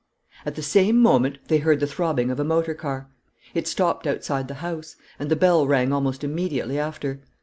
At the same moment they heard the throbbing of a motor car. It stopped outside the house; and the bell rang almost immediately after.